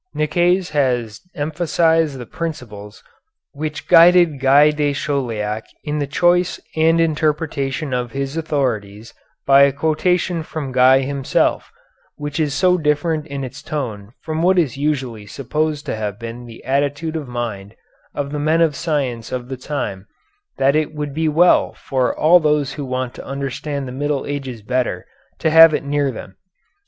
Nicaise has emphasized the principles which guided Guy de Chauliac in the choice and interpretation of his authorities by a quotation from Guy himself, which is so different in its tone from what is usually supposed to have been the attitude of mind of the men of science of the time that it would be well for all those who want to understand the Middle Ages better to have it near them.